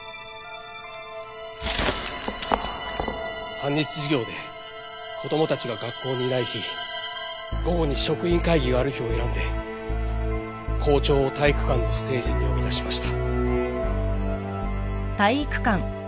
半日授業で子供たちが学校にいない日午後に職員会議がある日を選んで校長を体育館のステージに呼び出しました。